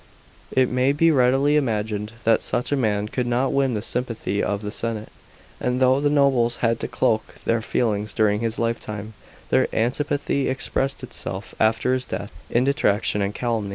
It may be readily imagined that such a man could not win the sym pathy of the senate ; and though the nobles had to cloke their feelings during his lifetime, their antipathy expressed itself after his death in detraction and calumnj.